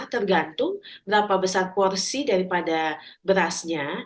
tergantung berapa besar porsi daripada berasnya